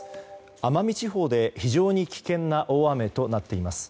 奄美地方で非常に危険な大雨となっています。